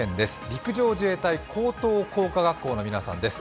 陸上自衛隊高等工科学校の皆さんです。